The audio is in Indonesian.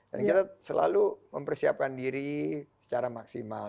dan kita selalu mempersiapkan diri secara maksimal